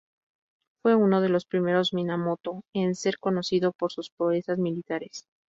Fue uno de los primeros Minamoto en ser conocido por sus proezas militares.